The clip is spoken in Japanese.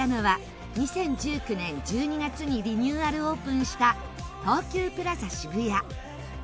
２０１９年１２月にリニューアルオープンした東急プラザ渋谷。